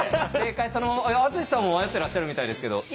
正解そのまま篤さんも迷ってらっしゃるみたいですけど。